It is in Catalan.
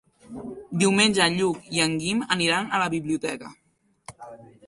Diumenge en Lluc i en Guim aniran a la biblioteca.